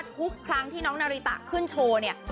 ทุกครั้งที่น้องนาริตะขึ้นโชว์เนี่ย